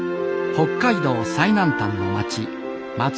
北海道最南端の町松前町。